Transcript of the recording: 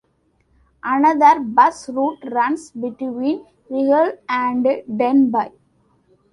Another bus route runs between Rhyl and Denbigh.